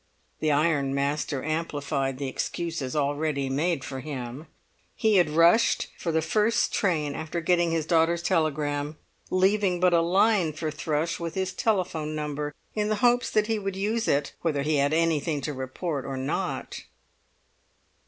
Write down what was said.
The ironmaster amplified the excuses already made for him; he had rushed for the first train after getting his daughter's telegram, leaving but a line for Thrush with his telephone number, in the hopes that he would use it whether he had anything to report or not.